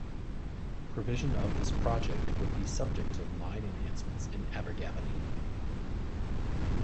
Provision of this project would be subject to line enhancements in Abergavenny.